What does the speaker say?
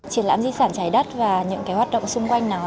triển lãm di sản trái đất và những cái hoạt động xung quanh nó